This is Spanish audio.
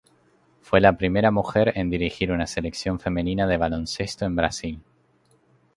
Fue la primera mujer en dirigir una Selección femenina de baloncesto de Brasil.